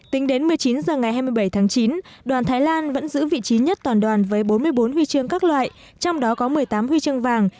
tính đến một mươi chín h ngày hai mươi bảy tháng chín đoàn thái lan vẫn giữ vị trí nhất toàn đoàn với bốn mươi bốn huy chương các loại trong đó có một mươi tám huy chương vàng